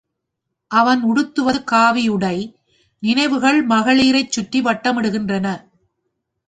அவன் உடுத்துவது காவி உடை, நினைவுகள் மகளிரைச் சுற்றி வட்டமிடுகின்றன.